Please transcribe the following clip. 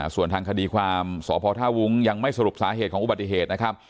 ส่วนทางคดีความสพท่าวุ้งยังไม่สรุปสาเหตุของอุบัติเหตุนะครับ